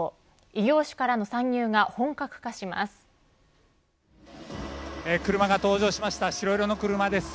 異業種からの参入が本格化します。